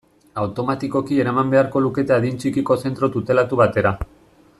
Automatikoki eraman beharko lukete adin txikiko zentro tutelatu batera.